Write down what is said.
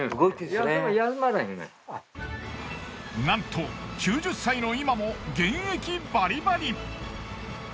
なんと９０歳の今も現役バリバリ！